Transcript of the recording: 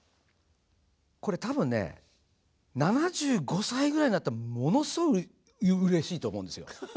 これ多分ね７５歳ぐらいになったらものすごくうれしいと思うんですよ。